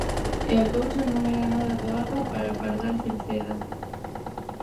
E a cousa non era nada doada para Pardal Cerceda.